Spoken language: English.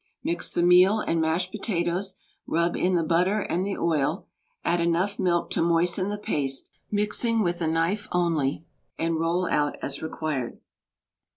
Mix the meal and mashed potatoes, rub in the butter and the oil, add enough milk to moisten the paste, mixing with a knife only, and roll out as required.